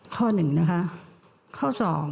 ข้อหนึ่งนะคะ